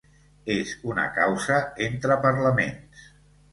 És una causa entre parlaments.